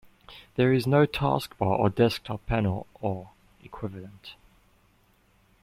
There is no taskbar or desktop panel or equivalent.